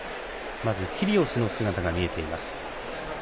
キリオスの姿が見えています。